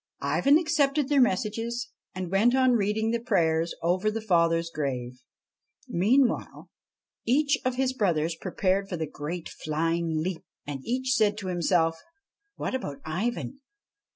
Ivan accepted their messages, and went on reading the prayers over the father's grave. Meanwhile each of his brothers prepared for the great flying leap; and each said to himself: 'What about Ivan?